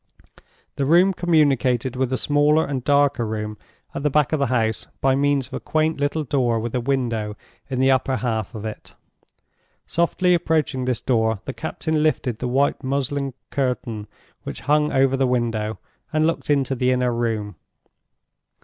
The room communicated with a smaller and darker room at the back of the house by means of a quaint little door with a window in the upper half of it. Softly approaching this door, the captain lifted the white muslin curtain which hung over the window, and looked into the inner room.